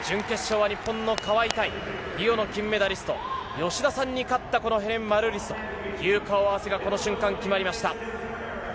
準決勝は日本の川井対リオの金メダリスト・吉田さんに勝ったヘレン・マルーリスという顔合わせがこの瞬間決まりました。